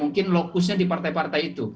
mungkin lokusnya di partai partai itu